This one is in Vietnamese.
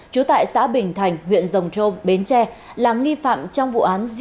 trú tại xã bình thành huyện rồng trôm bến tre là nghi phạm trong vụ án giết người